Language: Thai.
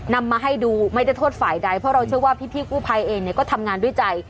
นำมาให้ดูไม่ได้โทษฝ่ายใดเพราะเราเชื่อว่าพี่กู้ภัยเองเนี่ยก็ทำงานด้วยใจ